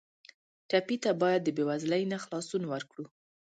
ټپي ته باید د بېوزلۍ نه خلاصون ورکړو.